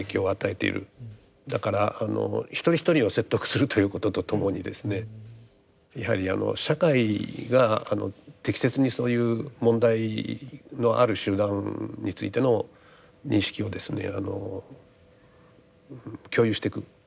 だからあの一人一人を説得するということとともにですねやはり社会が適切にそういう問題のある集団についての認識をですね共有していく。